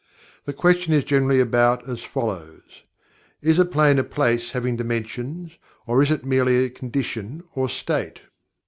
The question is generally about as follows: "Is a Plane a place having dimensions, or is it merely a condition or state?"